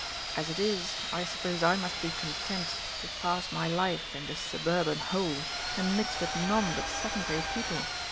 As it is, I suppose I must be content to pass my life in this suburban hole and mix with none but second rate people.